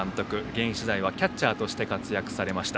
現役時代はキャッチャーとして活躍されました。